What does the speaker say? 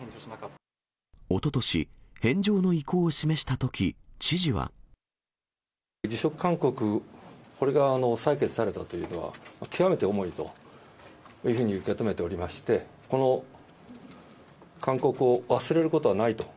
おととし、辞職勧告、これが採決されたというのは、極めて重いというふうに受け止めておりまして、この勧告を忘れることはないと。